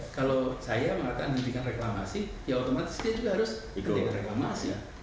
kalau saya mengatakan hentikan reklamasi ya otomatis dia juga harus ikut reklamasi